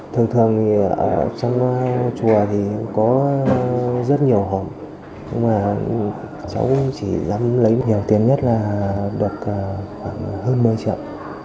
thường thường thì ở trong chùa thì có rất nhiều hộp nhưng mà cháu cũng chỉ dám lấy nhiều tiền nhất là được khoảng hơn một mươi triệu